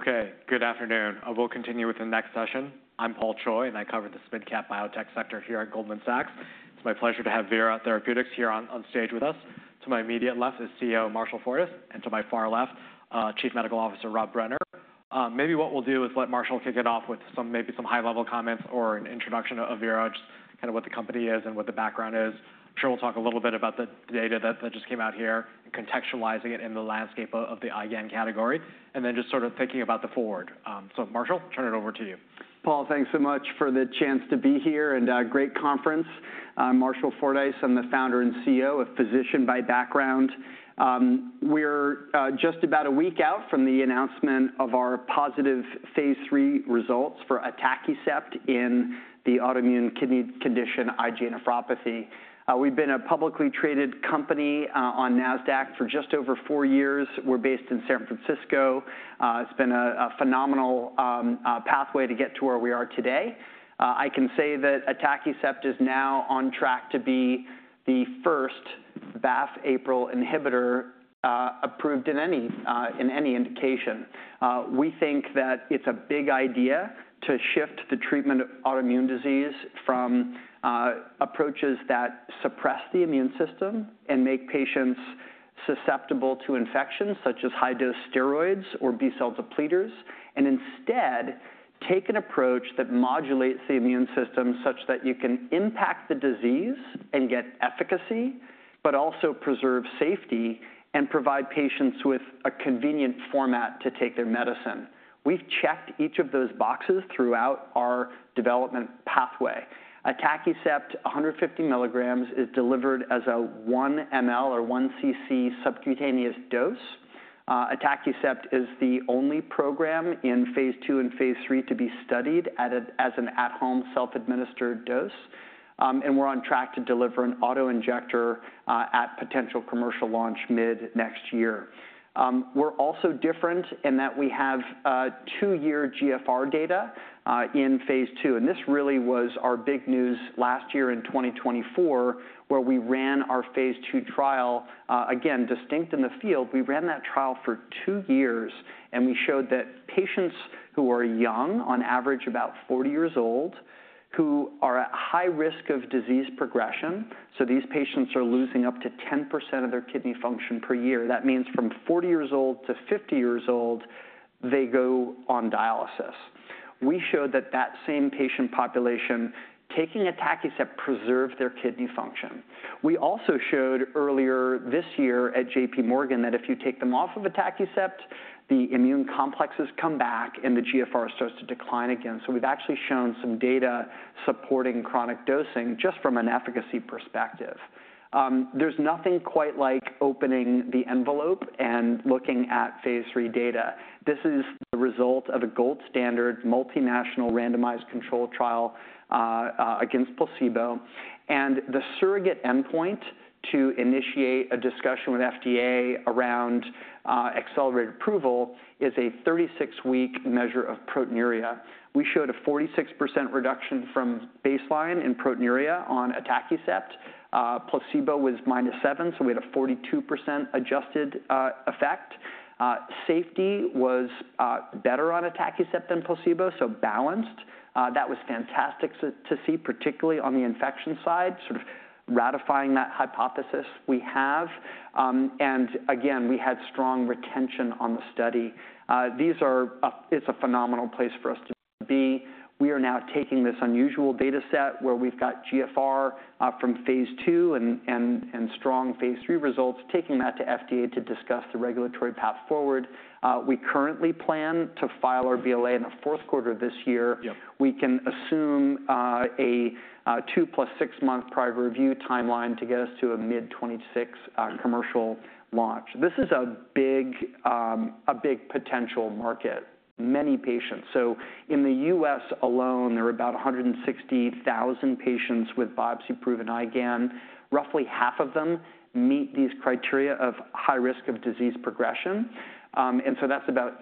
Okay, good afternoon. We'll continue with the next session. I'm Paul Choi, and I cover the SPIDCap biotech sector here at Goldman Sachs. It's my pleasure to have Vera Therapeutics here on stage with us. To my immediate left is CEO Marshall Fordyce, and to my far left, Chief Medical Officer Rob Brenner. Maybe what we'll do is let Marshall kick it off with maybe some high-level comments or an introduction of Vera, just kind of what the company is and what the background is. I'm sure we'll talk a little bit about the data that just came out here, contextualizing it in the landscape of the IgAN category, and then just sort of thinking about the forward. Marshall, turn it over to you. Paul, thanks so much for the chance to be here, and great conference. I'm Marshall Fordyce. I'm the founder and CEO, physician by background. We're just about a week out from the announcement of our positive phase III results for atacicept in the autoimmune kidney condition IgA nephropathy. We've been a publicly traded company on NASDAQ for just over four years. We're based in San Francisco. It's been a phenomenal pathway to get to where we are today. I can say that atacicept is now on track to be the first BAFF/APRIL inhibitor approved in any indication. We think that it's a big idea to shift the treatment of autoimmune disease from approaches that suppress the immune system and make patients susceptible to infections, such as high-dose steroids or B-cell depleters, and instead take an approach that modulates the immune system such that you can impact the disease and get efficacy, but also preserve safety and provide patients with a convenient format to take their medicine. We've checked each of those boxes throughout our development pathway. Atacicept, 150 milligrams, is delivered as a 1 mL or 1 cc subcutaneous dose. Atacicept is the only program in phase II and phase III to be studied as an at-home self-administered dose, and we're on track to deliver an autoinjector at potential commercial launch mid-next year. We're also different in that we have two-year GFR data in phase II, and this really was our big news last year in 2024, where we ran our phase II trial. Again, distinct in the field, we ran that trial for two years, and we showed that patients who are young, on average about 40 years old, who are at high risk of disease progression, so these patients are losing up to 10% of their kidney function per year, that means from 40 years old to 50 years old, they go on dialysis. We showed that that same patient population taking atacicept preserved their kidney function. We also showed earlier this year at JPMorgan that if you take them off of atacicept, the immune complexes come back and the GFR starts to decline again. We've actually shown some data supporting chronic dosing just from an efficacy perspective. There's nothing quite like opening the envelope and looking at phase III data. This is the result of a gold standard multinational randomized control trial against placebo, and the surrogate endpoint to initiate a discussion with FDA around accelerated approval is a 36-week measure of proteinuria. We showed a 46% reduction from baseline in proteinuria on atacicept. Placebo was minus 7, so we had a 42% adjusted effect. Safety was better on atacicept than placebo, so balanced. That was fantastic to see, particularly on the infection side, sort of ratifying that hypothesis we have. Again, we had strong retention on the study. It's a phenomenal place for us to be. We are now taking this unusual dataset where we've got GFR from phase II and strong phase III results, taking that to FDA to discuss the regulatory path forward. We currently plan to file our BLA in the fourth quarter of this year. We can assume a two plus six month priority review timeline to get us to a mid-2026 commercial launch. This is a big potential market, many patients. In the U.S. alone, there are about 160,000 patients with biopsy-proven IgAN. Roughly half of them meet these criteria of high risk of disease progression, and that's about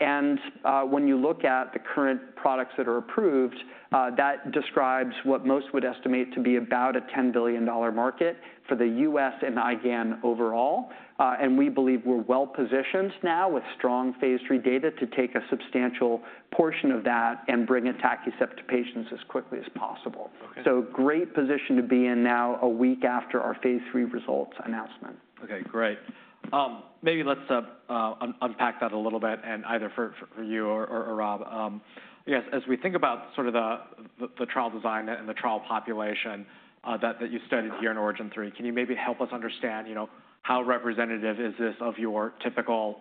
80,000. When you look at the current products that are approved, that describes what most would estimate to be about a $10 billion market for the U.S. and IgAN overall. We believe we're well positioned now with strong phase III data to take a substantial portion of that and bring atacicept to patients as quickly as possible. Great position to be in now a week after our phase III results announcement. Okay, great. Maybe let's unpack that a little bit, and either for you or Rob. As we think about sort of the trial design and the trial population that you studied here in ORIGIN phase III, can you maybe help us understand how representative is this of your typical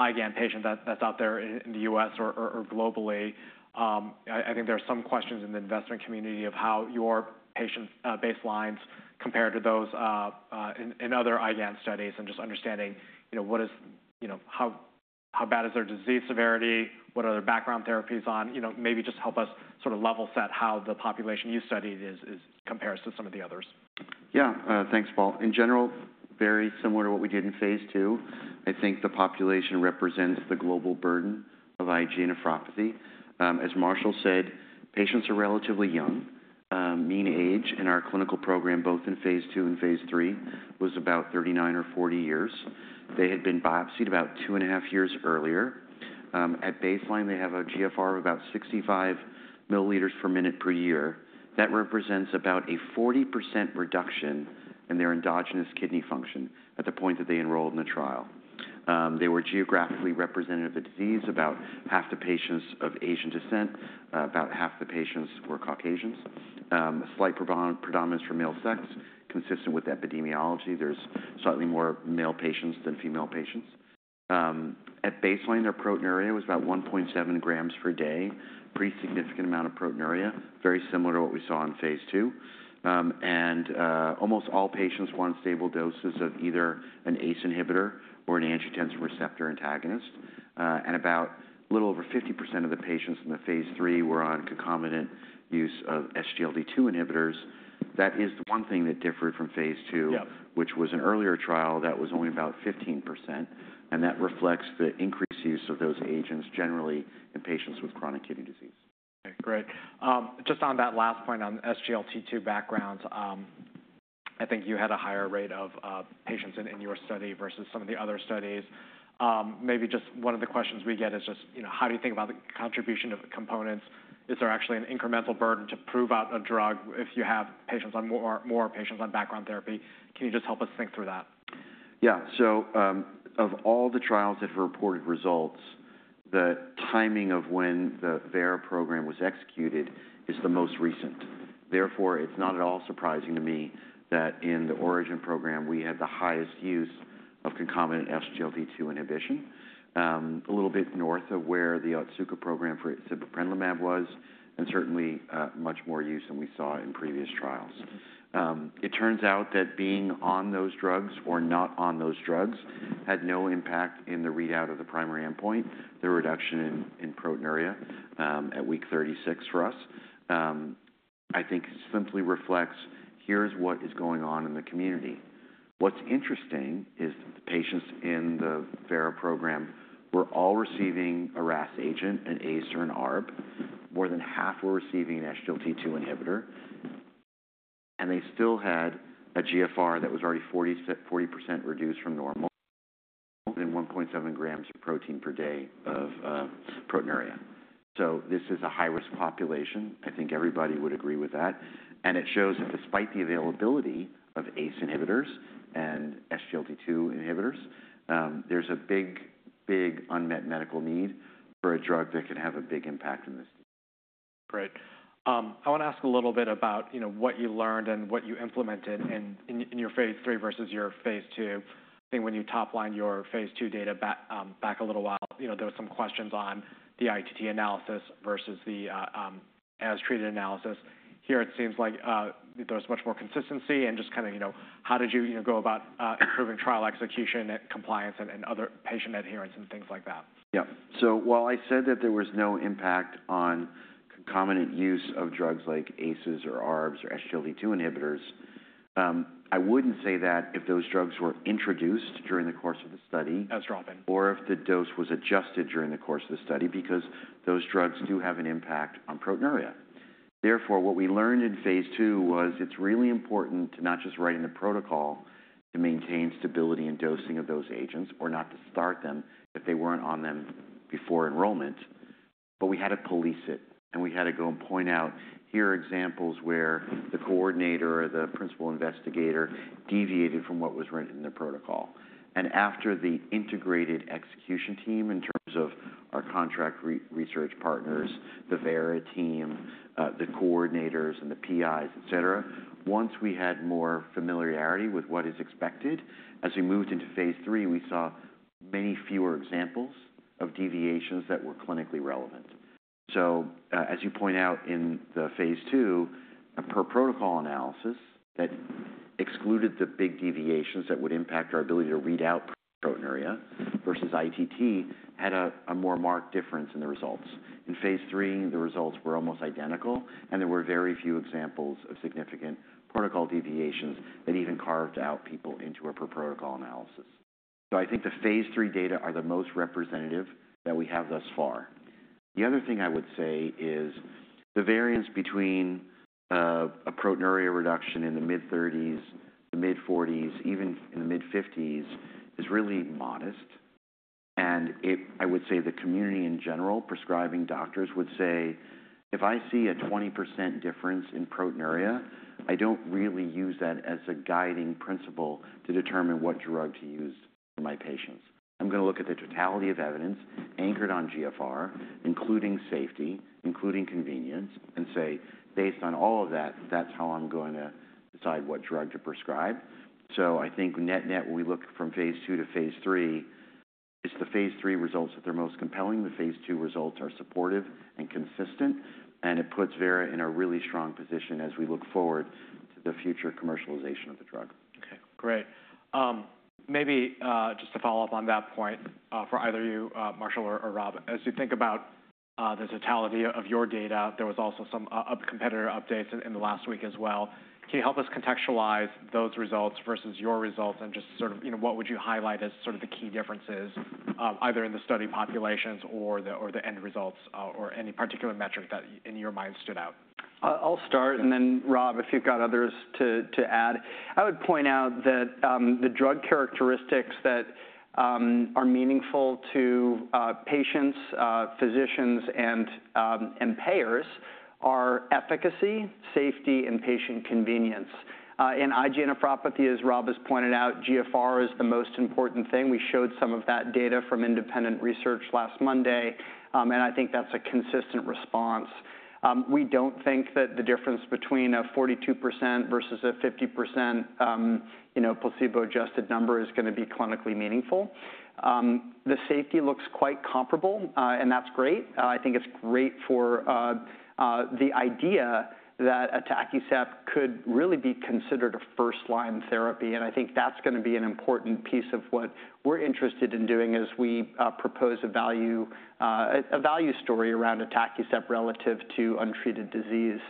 IgAN patient that's out there in the U.S. or globally? I think there are some questions in the investment community of how your patient baselines compare to those in other IgAN studies and just understanding how bad is their disease severity, what are their background therapies on. Maybe just help us sort of level set how the population you studied compares to some of the others. Yeah, thanks, Paul. In general, very similar to what we did in phase II, I think the population represents the global burden of IgA nephropathy. As Marshall said, patients are relatively young. Mean age in our clinical program, both in phase II and phase III, was about 39 or 40 years. They had been biopsied about two and a half years earlier. At baseline, they have a GFR of about 65 milliliters per minute per year. That represents about a 40% reduction in their endogenous kidney function at the point that they enrolled in the trial. They were geographically representative of the disease. About half the patients of Asian descent, about half the patients were Caucasians. Slight predominance for male sex, consistent with epidemiology. There's slightly more male patients than female patients. At baseline, their proteinuria was about 1.7 grams per day, a pretty significant amount of proteinuria, very similar to what we saw in phase II. Almost all patients were on stable doses of either an ACE inhibitor or an angiotensin receptor blocker, and about a little over 50% of the patients in the phase III were on concomitant use of SGLT2 inhibitors. That is the one thing that differed from phase II, which was an earlier trial that was only about 15%, and that reflects the increased use of those agents generally in patients with chronic kidney disease. Okay, great. Just on that last point on SGLT2 backgrounds, I think you had a higher rate of patients in your study versus some of the other studies. Maybe just one of the questions we get is just how do you think about the contribution of components? Is there actually an incremental burden to prove out a drug if you have more patients on background therapy? Can you just help us think through that? Yeah, so of all the trials that have reported results, the timing of when the Vera program was executed is the most recent. Therefore, it's not at all surprising to me that in the ORIGIN program, we had the highest use of concomitant SGLT2 inhibition, a little bit north of where the Otsuka program for sibeprenlimab was, and certainly much more use than we saw in previous trials. It turns out that being on those drugs or not on those drugs had no impact in the readout of the primary endpoint, the reduction in proteinuria at week 36 for us. I think it simply reflects, here's what is going on in the community. What's interesting is the patients in the Vera program were all receiving a RAS agent, an ACE or an ARB. More than half were receiving an SGLT2 inhibitor, and they still had a GFR that was already 40% reduced from normal and 1.7 grams of protein per day of proteinuria. This is a high-risk population. I think everybody would agree with that. It shows that despite the availability of ACE inhibitors and SGLT2 inhibitors, there is a big, big unmet medical need for a drug that can have a big impact in this. Great. I want to ask a little bit about what you learned and what you implemented in your phase III versus your phase II. I think when you toplined your phase II data back a little while, there were some questions on the ITT analysis versus the as treated analysis. Here, it seems like there was much more consistency and just kind of how did you go about improving trial execution and compliance and other patient adherence and things like that. Yeah, so while I said that there was no impact on concomitant use of drugs like ACEs or ARBs or SGLT2 inhibitors, I wouldn't say that if those drugs were introduced during the course of the study. That's dropping. If the dose was adjusted during the course of the study, because those drugs do have an impact on proteinuria. Therefore, what we learned in phase II was it's really important to not just write in the protocol to maintain stability and dosing of those agents or not to start them if they weren't on them before enrollment, but we had to police it, and we had to go and point out, here are examples where the coordinator or the principal investigator deviated from what was written in the protocol. After the integrated execution team, in terms of our contract research partners, the Vera team, the coordinators, and the PIs, etc., once we had more familiarity with what is expected, as we moved into phase III, we saw many fewer examples of deviations that were clinically relevant. As you point out in the phase II, a per protocol analysis that excluded the big deviations that would impact our ability to read out proteinuria versus ITT had a more marked difference in the results. In phase III, the results were almost identical, and there were very few examples of significant protocol deviations that even carved out people into a per protocol analysis. I think the phase III data are the most representative that we have thus far. The other thing I would say is the variance between a proteinuria reduction in the mid-30s, the mid-40s, even in the mid-50s is really modest, and I would say the community in general, prescribing doctors, would say, if I see a 20% difference in proteinuria, I don't really use that as a guiding principle to determine what drug to use for my patients. I'm going to look at the totality of evidence anchored on GFR, including safety, including convenience, and say, based on all of that, that's how I'm going to decide what drug to prescribe. I think net-net, when we look from phase II to phase III, it's the phase III results that are most compelling. The phase II results are supportive and consistent, and it puts Vera in a really strong position as we look forward to the future commercialization of the drug. Okay, great. Maybe just to follow up on that point for either you, Marshall or Rob, as you think about the totality of your data, there was also some competitor updates in the last week as well. Can you help us contextualize those results versus your results and just sort of what would you highlight as sort of the key differences either in the study populations or the end results or any particular metric that in your mind stood out? I'll start, and then Rob, if you've got others to add. I would point out that the drug characteristics that are meaningful to patients, physicians, and payers are efficacy, safety, and patient convenience. In IgA nephropathy, as Rob has pointed out, GFR is the most important thing. We showed some of that data from independent research last Monday, and I think that's a consistent response. We don't think that the difference between a 42% versus a 50% placebo-adjusted number is going to be clinically meaningful. The safety looks quite comparable, and that's great. I think it's great for the idea that atacicept could really be considered a first-line therapy, and I think that's going to be an important piece of what we're interested in doing as we propose a value story around atacicept relative to untreated disease.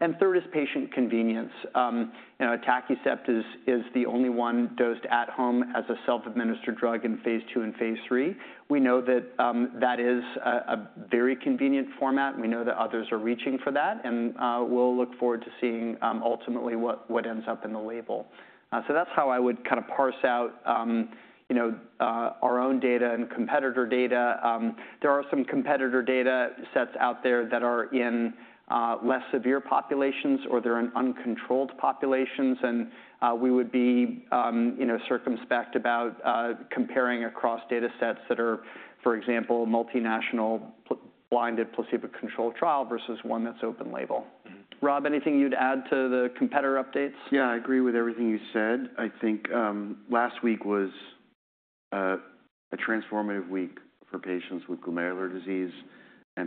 And third is patient convenience. Atacicept is the only one dosed at home as a self-administered drug in phase II and phase III. We know that that is a very convenient format. We know that others are reaching for that, and we will look forward to seeing ultimately what ends up in the label. That is how I would kind of parse out our own data and competitor data. There are some competitor data sets out there that are in less severe populations or they are in uncontrolled populations, and we would be circumspect about comparing across datasets that are, for example, multinational blinded placebo-controlled trial versus one that is open label. Rob, anything you would add to the competitor updates? Yeah, I agree with everything you said. I think last week was a transformative week for patients with glomerular disease and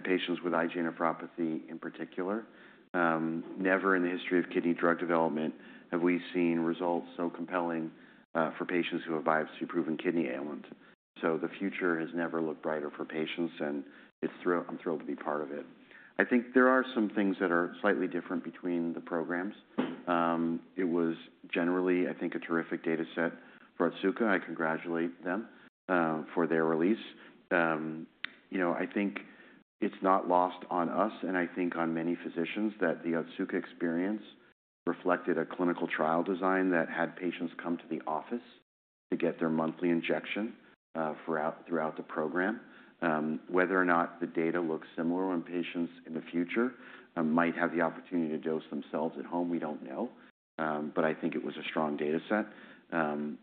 patients with IgA nephropathy in particular. Never in the history of kidney drug development have we seen results so compelling for patients who have biopsy-proven kidney ailments. The future has never looked brighter for patients, and I'm thrilled to be part of it. I think there are some things that are slightly different between the programs. It was generally, I think, a terrific dataset for Otsuka. I congratulate them for their release. I think it's not lost on us, and I think on many physicians, that the Otsuka experience reflected a clinical trial design that had patients come to the office to get their monthly injection throughout the program. Whether or not the data looks similar when patients in the future might have the opportunity to dose themselves at home, we do not know, but I think it was a strong dataset.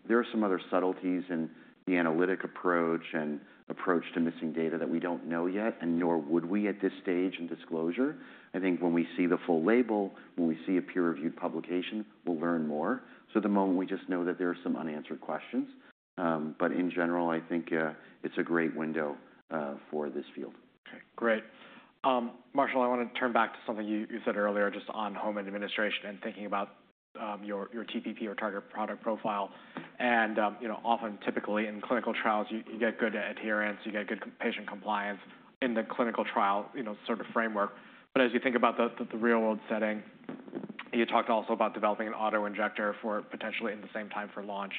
There are some other subtleties in the analytic approach and approach to missing data that we do not know yet, and nor would we at this stage in disclosure. I think when we see the full label, when we see a peer-reviewed publication, we will learn more. At the moment, we just know that there are some unanswered questions, but in general, I think it is a great window for this field. Okay, great. Marshall, I want to turn back to something you said earlier just on home administration and thinking about your TPP or target product profile. Often, typically in clinical trials, you get good adherence, you get good patient compliance in the clinical trial sort of framework, but as you think about the real-world setting, you talked also about developing an autoinjector for potentially in the same time for launch.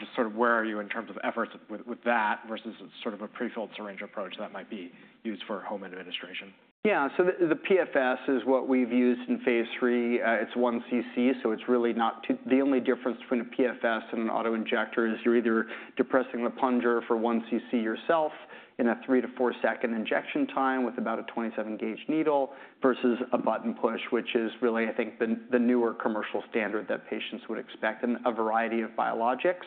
Just sort of where are you in terms of efforts with that versus sort of a prefilled syringe approach that might be used for home administration? Yeah, so the PFS is what we've used in phase III. It's 1 cc, so it's really not the only difference between a PFS and an autoinjector is you're either depressing the plunger for 1 cc yourself in a three to four-second injection time with about a 27-gauge needle versus a button push, which is really, I think, the newer commercial standard that patients would expect in a variety of biologics.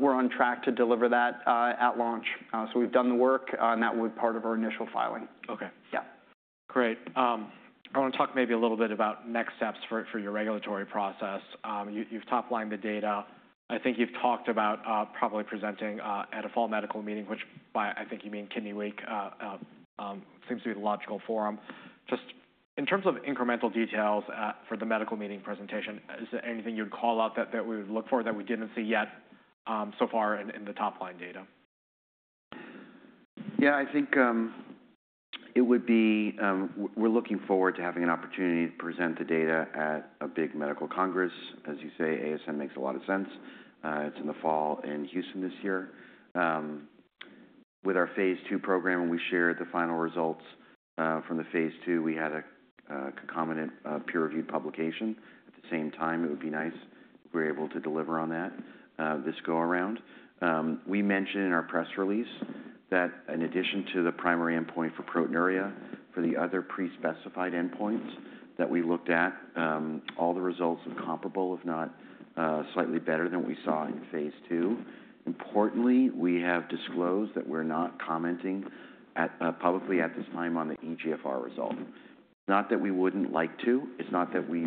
We're on track to deliver that at launch, so we've done the work, and that will be part of our initial filing. Okay. Yeah. Great. I want to talk maybe a little bit about next steps for your regulatory process. You've toplined the data. I think you've talked about probably presenting at a fall medical meeting, which by I think you mean Kidney Week, seems to be the logical forum. Just in terms of incremental details for the medical meeting presentation, is there anything you'd call out that we would look for that we didn't see yet so far in the topline data? Yeah, I think it would be we're looking forward to having an opportunity to present the data at a big medical congress. As you say, ASN makes a lot of sense. It's in the fall in Houston this year. With our phase II program, we shared the final results from the phase II. We had a concomitant peer-reviewed publication. At the same time, it would be nice if we were able to deliver on that this go-around. We mentioned in our press release that in addition to the primary endpoint for proteinuria, for the other pre-specified endpoints that we looked at, all the results are comparable, if not slightly better than what we saw in phase II. Importantly, we have disclosed that we're not commenting publicly at this time on the eGFR result. It's not that we wouldn't like to. It's not that we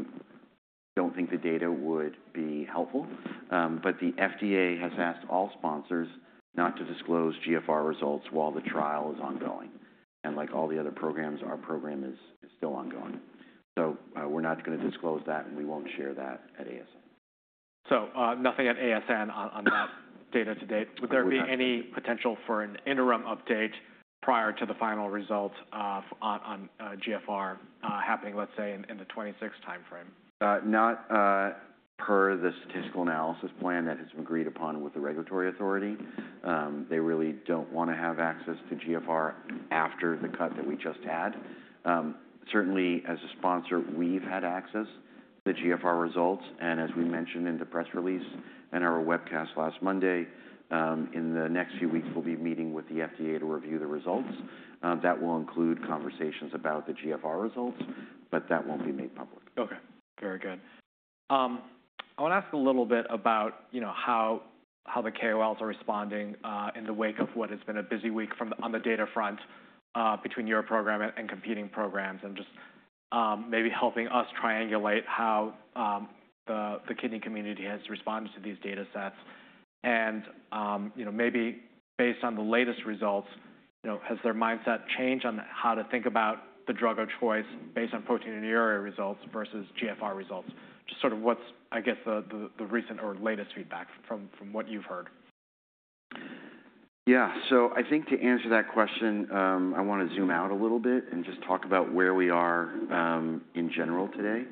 don't think the data would be helpful, but the FDA has asked all sponsors not to disclose GFR results while the trial is ongoing. Like all the other programs, our program is still ongoing. So we're not going to disclose that, and we won't share that at ASN. Nothing at ASN on that data to date. Would there be any potential for an interim update prior to the final result on GFR happening, let's say, in the 2026 timeframe? Not per the statistical analysis plan that has been agreed upon with the regulatory authority. They really don't want to have access to GFR after the cut that we just had. Certainly, as a sponsor, we've had access to the GFR results, and as we mentioned in the press release and our webcast last Monday, in the next few weeks, we'll be meeting with the FDA to review the results. That will include conversations about the GFR results, but that won't be made public. Okay, very good. I want to ask a little bit about how the KOLs are responding in the wake of what has been a busy week on the data front between your program and competing programs and just maybe helping us triangulate how the kidney community has responded to these datasets. Maybe based on the latest results, has their mindset changed on how to think about the drug of choice based on proteinuria results versus GFR results? Just sort of what's, I guess, the recent or latest feedback from what you've heard? Yeah, so I think to answer that question, I want to zoom out a little bit and just talk about where we are in general today.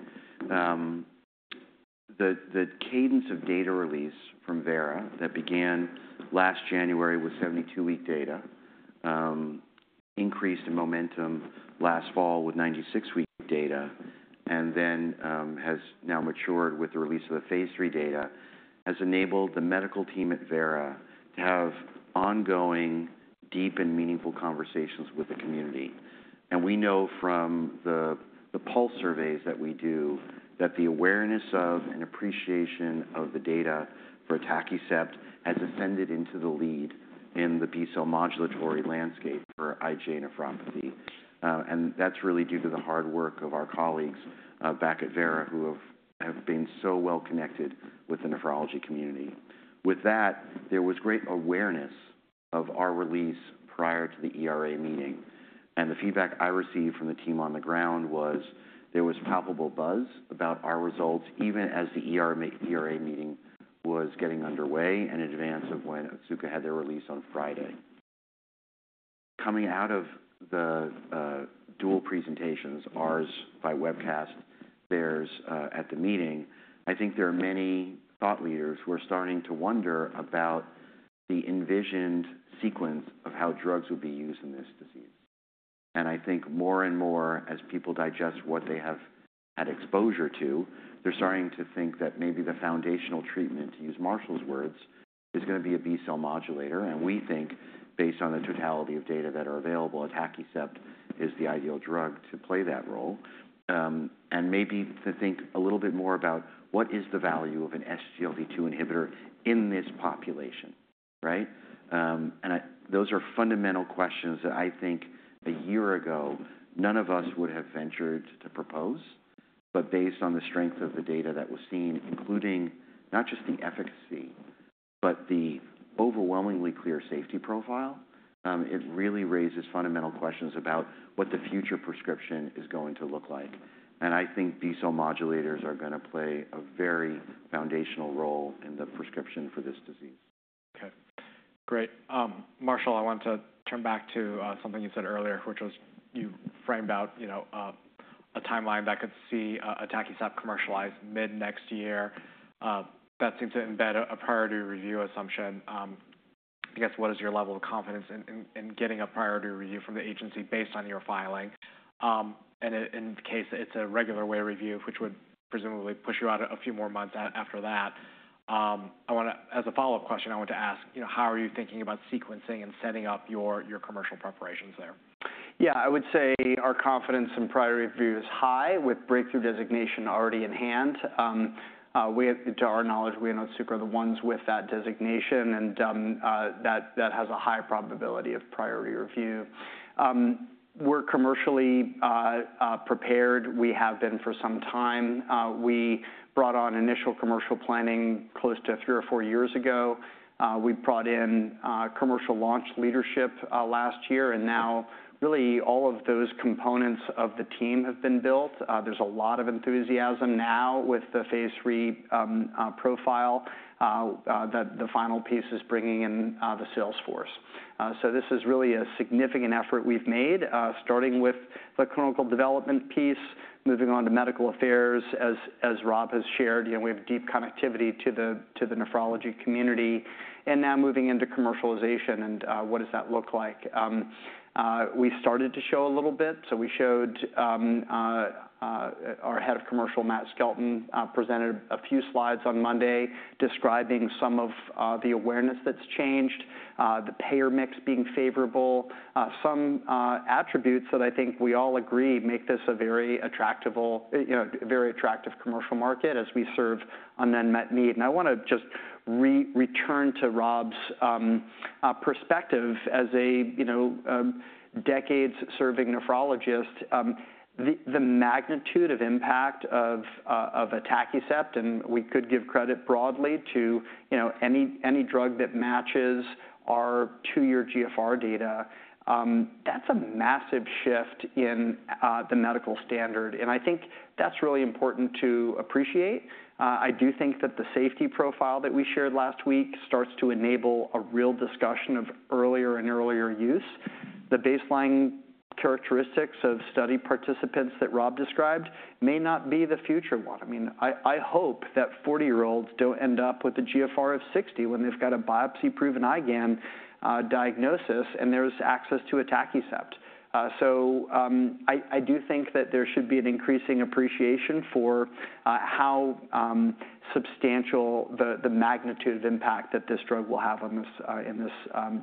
The cadence of data release from Vera that began last January with 72-week data increased in momentum last fall with 96-week data and then has now matured with the release of the phase III data has enabled the medical team at Vera to have ongoing deep and meaningful conversations with the community. We know from the pulse surveys that we do that the awareness of and appreciation of the data for atacicept has ascended into the lead in the B-cell modulatory landscape for IgA nephropathy. That's really due to the hard work of our colleagues back at Vera who have been so well connected with the nephrology community. With that, there was great awareness of our release prior to the ERA meeting, and the feedback I received from the team on the ground was there was palpable buzz about our results even as the ERA meeting was getting underway and in advance of when Otsuka had their release on Friday. Coming out of the dual presentations, ours by webcast, theirs at the meeting, I think there are many thought leaders who are starting to wonder about the envisioned sequence of how drugs will be used in this disease. I think more and more as people digest what they have had exposure to, they're starting to think that maybe the foundational treatment, to use Marshall's words, is going to be a B-cell modulator. We think, based on the totality of data that are available, atacicept is the ideal drug to play that role. Maybe to think a little bit more about what is the value of an SGLT2 inhibitor in this population, right? Those are fundamental questions that I think a year ago none of us would have ventured to propose, but based on the strength of the data that was seen, including not just the efficacy, but the overwhelmingly clear safety profile, it really raises fundamental questions about what the future prescription is going to look like. I think B-cell modulators are going to play a very foundational role in the prescription for this disease. Okay, great. Marshall, I want to turn back to something you said earlier, which was you framed out a timeline that could see atacicept commercialized mid-next year. That seems to embed a priority review assumption. I guess, what is your level of confidence in getting a priority review from the agency based on your filing? In the case it's a regular way review, which would presumably push you out a few more months after that. As a follow-up question, I want to ask, how are you thinking about sequencing and setting up your commercial preparations there? Yeah, I would say our confidence in priority review is high with breakthrough designation already in hand. To our knowledge, we and Otsuka are the ones with that designation, and that has a high probability of priority review. We're commercially prepared. We have been for some time. We brought on initial commercial planning close to three or four years ago. We brought in commercial launch leadership last year, and now really all of those components of the team have been built. There is a lot of enthusiasm now with the phase III profile that the final piece is bringing in the sales force. This is really a significant effort we've made, starting with the clinical development piece, moving on to medical affairs. As Rob has shared, we have deep connectivity to the nephrology community, and now moving into commercialization and what does that look like. We started to show a little bit, so we showed our Head of Commercial, Matt Skelton, presented a few slides on Monday describing some of the awareness that's changed, the payer mix being favorable, some attributes that I think we all agree make this a very attractive commercial market as we serve an unmet need. I want to just return to Rob's perspective. As a decades-serving nephrologist, the magnitude of impact of atacicept, and we could give credit broadly to any drug that matches our two-year GFR data, that's a massive shift in the medical standard. I think that's really important to appreciate. I do think that the safety profile that we shared last week starts to enable a real discussion of earlier and earlier use. The baseline characteristics of study participants that Rob described may not be the future one. I mean, I hope that 40-year-olds don't end up with a GFR of 60 when they've got a biopsy-proven IgA diagnosis and there's access to atacicept. I do think that there should be an increasing appreciation for how substantial the magnitude of impact that this drug will have in this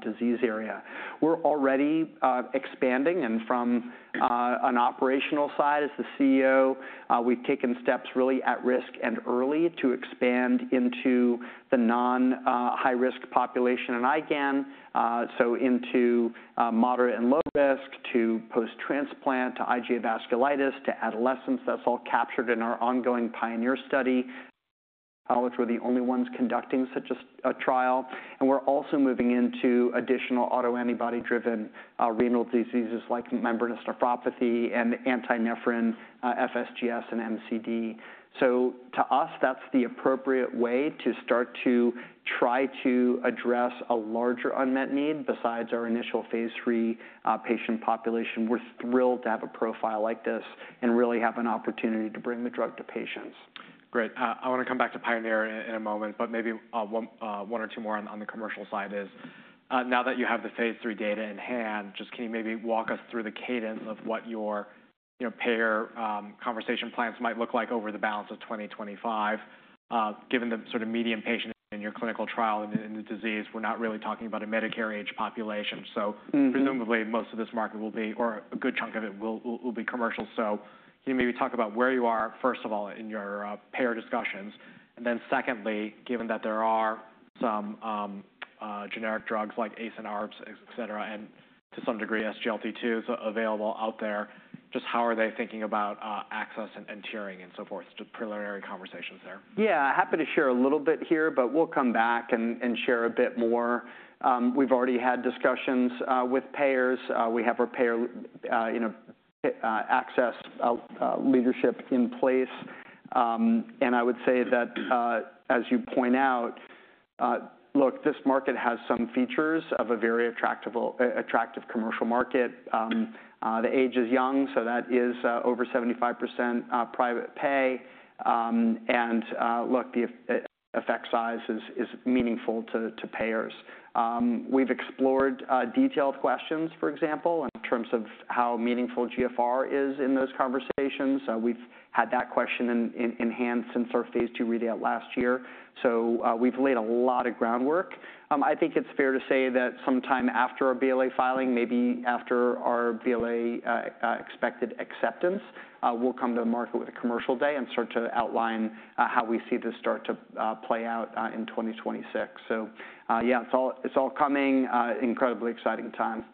disease area. We're already expanding, and from an operational side as the CEO, we've taken steps really at risk and early to expand into the non-high-risk population in IgA, so into moderate and low risk, to post-transplant, to IgA vasculitis, to adolescents. That's all captured in our ongoing PIONEER study, which we're the only ones conducting such a trial. We're also moving into additional autoantibody-driven renal diseases like membranous nephropathy and anti-nephrin FFGS and MCD. To us, that's the appropriate way to start to try to address a larger unmet need besides our initial phase III patient population. We're thrilled to have a profile like this and really have an opportunity to bring the drug to patients. Great. I want to come back to Pioneer in a moment, but maybe one or two more on the commercial side. Now that you have the phase III data in hand, just can you maybe walk us through the cadence of what your payer conversation plans might look like over the balance of 2025? Given the sort of median patient in your clinical trial and in the disease, we're not really talking about a Medicare age population. Presumably most of this market will be, or a good chunk of it will be, commercial. Can you maybe talk about where you are, first of all, in your payer discussions? Then secondly, given that there are some generic drugs like ACE and ARBs, etc., and to some degree SGLT2s available out there, just how are they thinking about access and tiering and so forth, just preliminary conversations there? Yeah, I'm happy to share a little bit here, but we'll come back and share a bit more. We've already had discussions with payers. We have our payer access leadership in place. I would say that as you point out, look, this market has some features of a very attractive commercial market. The age is young, so that is over 75% private pay. Look, the effect size is meaningful to payers. We've explored detailed questions, for example, in terms of how meaningful GFR is in those conversations. We've had that question in hand since our phase II redo last year. We've laid a lot of groundwork. I think it's fair to say that sometime after our BLA filing, maybe after our BLA expected acceptance, we'll come to the market with a commercial day and start to outline how we see this start to play out in 2026. Yeah, it's all coming. Incredibly exciting time.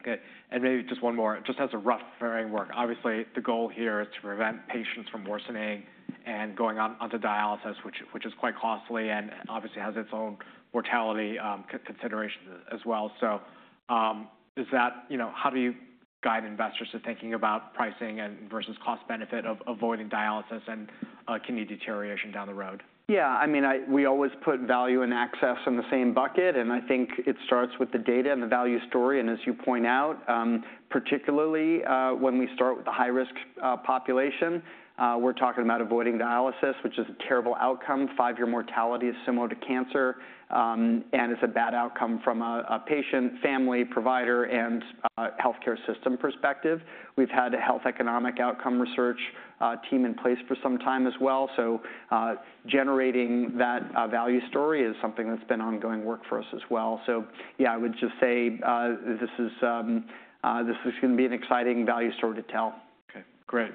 Okay, and maybe just one more. It just has a rough framework. Obviously, the goal here is to prevent patients from worsening and going on to dialysis, which is quite costly and obviously has its own mortality considerations as well. How do you guide investors to thinking about pricing versus cost-benefit of avoiding dialysis and kidney deterioration down the road? Yeah, I mean, we always put value and access in the same bucket, and I think it starts with the data and the value story. As you point out, particularly when we start with the high-risk population, we're talking about avoiding dialysis, which is a terrible outcome. Five-year mortality is similar to cancer, and it's a bad outcome from a patient, family, provider, and healthcare system perspective. We've had a health economic outcome research team in place for some time as well. Generating that value story is something that's been ongoing work for us as well. Yeah, I would just say this is going to be an exciting value story to tell. Okay, great.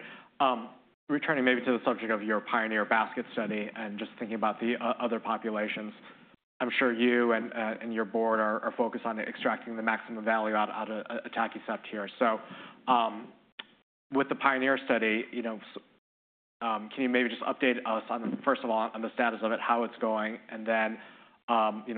Returning maybe to the subject of your Pioneer basket study and just thinking about the other populations, I'm sure you and your board are focused on extracting the maximum value out of atacicept here. With the Pioneer study, can you maybe just update us on, first of all, on the status of it, how it's going, and then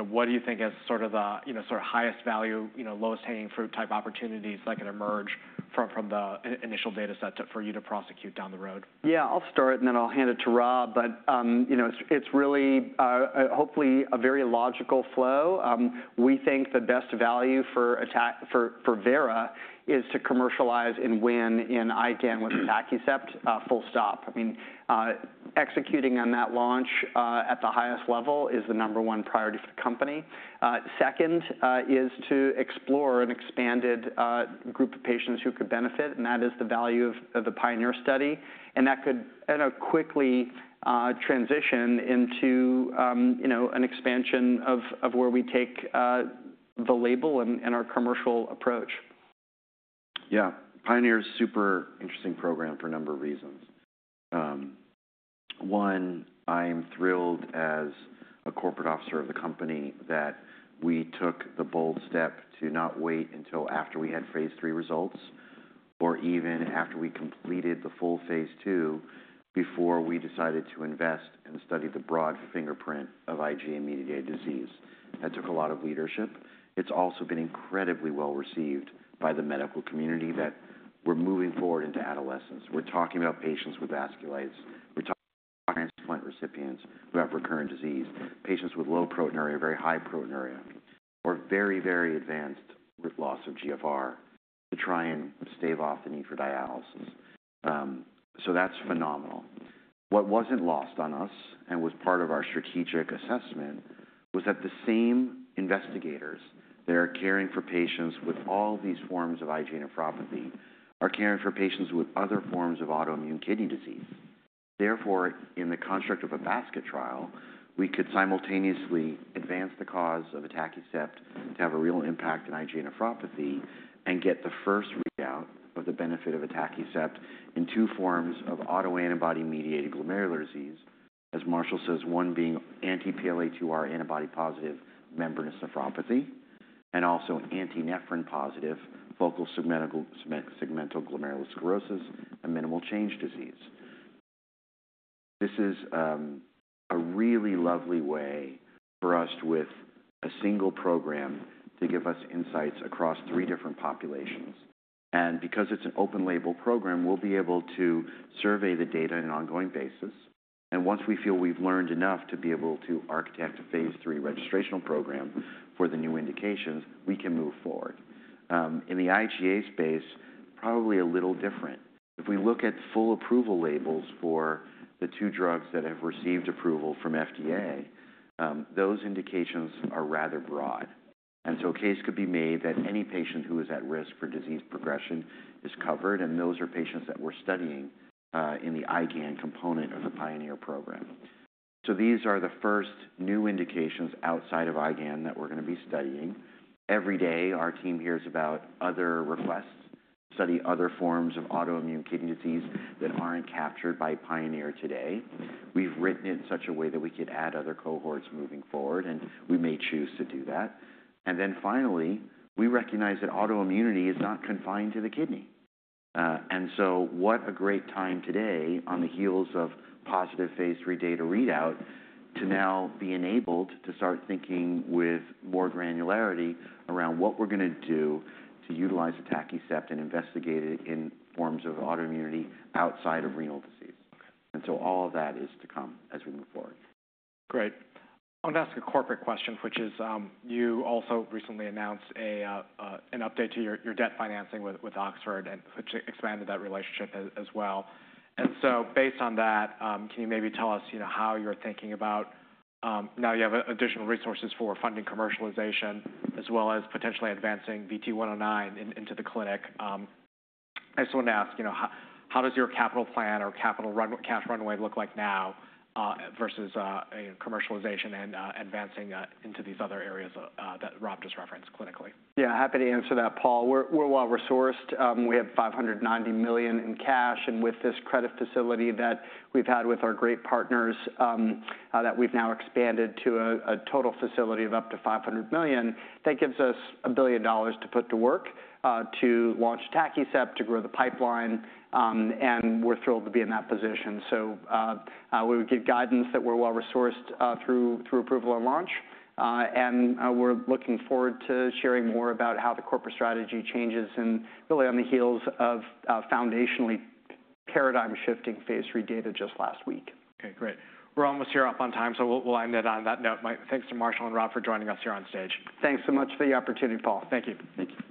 what do you think as sort of the sort of highest value, lowest hanging fruit type opportunities that can emerge from the initial dataset for you to prosecute down the road? Yeah, I'll start and then I'll hand it to Rob, but it's really hopefully a very logical flow. We think the best value for Vera is to commercialize and win in IgAN with atacicept. Full stop. I mean, executing on that launch at the highest level is the number one priority for the company. Second is to explore an expanded group of patients who could benefit, and that is the value of the PIONEER study. That could quickly transition into an expansion of where we take the label and our commercial approach. Yeah, Pioneer is a super interesting program for a number of reasons. One, I am thrilled as a corporate officer of the company that we took the bold step to not wait until after we had phase III results or even after we completed the full phase II before we decided to invest and study the broad fingerprint of IgA-mediated disease. That took a lot of leadership. It's also been incredibly well received by the medical community that we're moving forward into adolescence. We're talking about patients with vasculitis. We're talking about transplant recipients who have recurrent disease, patients with low proteinuria, very high proteinuria, or very, very advanced loss of GFR to try and stave off the need for dialysis. That is phenomenal. What wasn't lost on us and was part of our strategic assessment was that the same investigators that are caring for patients with all these forms of IgA nephropathy are caring for patients with other forms of autoimmune kidney disease. Therefore, in the construct of a basket trial, we could simultaneously advance the cause of atacicept to have a real impact in IgA nephropathy and get the first readout of the benefit of atacicept in two forms of autoantibody-mediated glomerular disease, as Marshall says, one being anti-PLA2R antibody positive membranous nephropathy and also antinephrin positive focal segmental glomerulosclerosis and minimal change disease. This is a really lovely way for us with a single program to give us insights across three different populations. Because it's an open-label program, we'll be able to survey the data on an ongoing basis. Once we feel we've learned enough to be able to architect a phase III registrational program for the new indications, we can move forward. In the IgA space, probably a little different. If we look at full approval labels for the two drugs that have received approval from FDA, those indications are rather broad. A case could be made that any patient who is at risk for disease progression is covered, and those are patients that we're studying in the IgAN component of the PIONEER program. These are the first new indications outside of IgAN that we're going to be studying. Every day, our team hears about other requests to study other forms of autoimmune kidney disease that aren't captured by PIONEER today. We've written it in such a way that we could add other cohorts moving forward, and we may choose to do that. Finally, we recognize that autoimmunity is not confined to the kidney. What a great time today on the heels of positive phase III data readout to now be enabled to start thinking with more granularity around what we're going to do to utilize atacicept and investigate it in forms of autoimmunity outside of renal disease. All of that is to come as we move forward. Great. I want to ask a corporate question, which is you also recently announced an update to your debt financing with Oxford, which expanded that relationship as well. Based on that, can you maybe tell us how you're thinking about now you have additional resources for funding commercialization as well as potentially advancing VT109 into the clinic? I just wanted to ask, how does your capital plan or capital cash runway look like now versus commercialization and advancing into these other areas that Rob just referenced clinically? Yeah, happy to answer that, Paul. We're well-resourced. We have 590 million in cash, and with this credit facility that we've had with our great partners that we've now expanded to a total facility of up to 500 million, that gives us $1 billion to put to work to launch atacicept, to grow the pipeline, and we're thrilled to be in that position. We would give guidance that we're well-resourced through approval and launch, and we're looking forward to sharing more about how the corporate strategy changes and really on the heels of foundationally paradigm-shifting phase III data just last week. Okay, great. We're almost here up on time, so we'll end it on that note. Thanks to Marshall and Rob for joining us here on stage. Thanks so much for the opportunity, Paul. Thank you. Thank you.